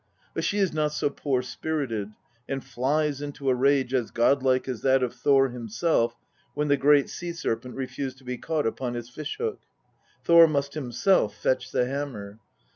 But she is not so poor spirited, and flies into a rage as god like as that of Thor himself when the great sea serpent refused to be caught upon his fish hook. Thor must himself fetch the hammer.